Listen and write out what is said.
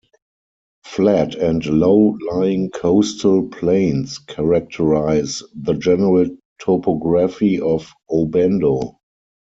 Flat and low-lying coastal plains characterize the general topography of Obando.